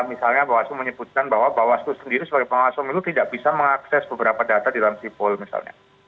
misalnya bawaslu menyebutkan bahwa bawaslu sendiri sebagai pengawas pemilu tidak bisa mengakses beberapa data di dalam sipol misalnya